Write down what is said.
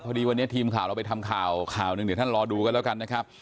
พอดีวันนี้ทีมข่าวเราไปทำข่าวข่าวหนึ่งเดี๋ยวท่านรอดูกันแล้วกันนะครับ